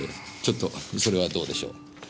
ちょっとそれはどうでしょう。